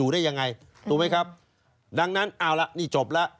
ดังนั้นเอาละนี่จบละ